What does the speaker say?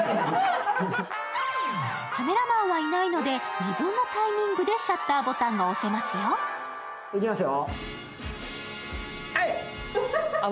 カメラマンはいないので、自分のタイミングでシャッターボタンが押せますよ。